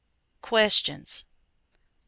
=Questions= 1.